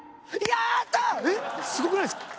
えっすごくないですか？